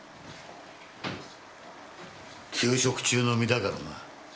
休職中の身だからな。